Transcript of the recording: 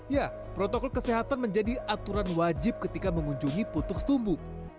ya protokol kesehatan menjadi aturan wajib ketika mengunjungi putukstumbu